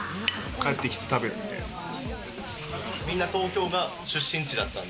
帰ってきて食べるんで。